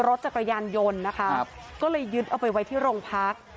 รถจักรยานยนต์นะคะก็เลยยึดเอาไปไว้ที่โรงพัก